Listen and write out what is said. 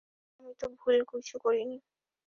দাঁড়াও, আমি তো ভুল কিছু করিনি।